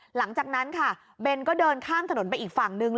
หลังจากนั้นค่ะเบนก็เดินข้ามถนนไปอีกฝั่งนึง